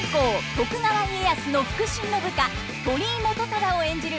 徳川家康の腹心の部下鳥居元忠を演じる